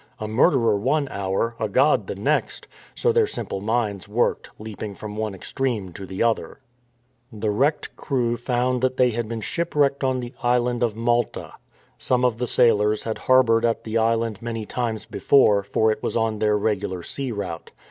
A murderer one hour, a god the next; so their simple minds worked, leaping from one extreme to the other. The wrecked crew found that they had been ship wrecked on the island of Malta. Some of the sailors had harboured at the island many times before, for it was on their regular sea route.